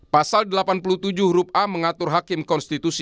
pasal delapan puluh tujuh huruf a mengatur hakim konstitusi